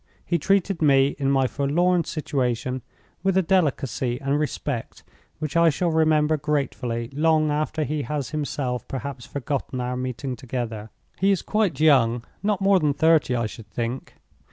He treated me, in my forlorn situation, with a delicacy and respect which I shall remember gratefully long after he has himself perhaps forgotten our meeting altogether. He is quite young—not more than thirty, I should think.